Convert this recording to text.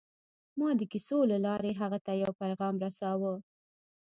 ما د کیسو له لارې هغه ته یو پیغام رساوه